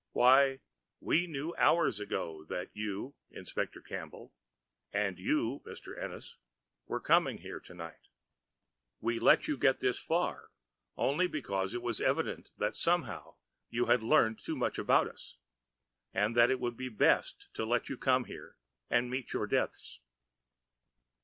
"Why, we knew hours ago that you, Inspector Campbell, and you, Mr. Ennis, were coming here tonight. We let you get this far only because it was evident that somehow you had learned too much about us, and that it would be best to let you come here and meet your deaths."